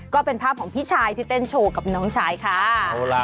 ก็เป็นภาพของพี่ชายที่เต้นโชว์กับน้องชายค่ะ